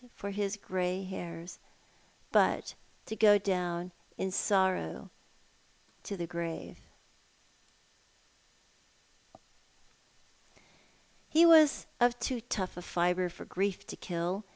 or his grey hairs but to go down in sorrow to the grave 38 Thoit art the Man. He was of too tough a fibre for grief to kill.